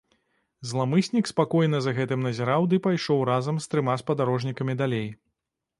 Зламыснік спакойна за гэтым назіраў ды пайшоў разам з трыма спадарожнікамі далей.